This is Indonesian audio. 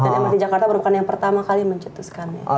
dan mrt jakarta bukan yang pertama kali mencetuskannya